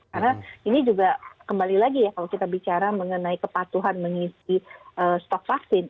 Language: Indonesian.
karena ini juga kembali lagi ya kalau kita bicara mengenai kepatuhan mengisi stok vaksin